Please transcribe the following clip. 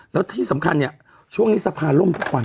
แล้วที่สำคัญเนี่ยช่วงนี้สะพานล่มทุกวัน